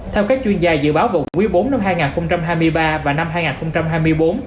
theo các chuyên gia dự báo vào quý bốn năm hai nghìn hai mươi ba và năm hai nghìn hai mươi bốn